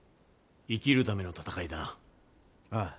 生きるための戦いだな。